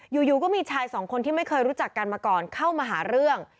อยู่ก็มีชายสองคนที่ไม่เคยรู้จักกันมาก่อนเข้ามาหาเรื่อง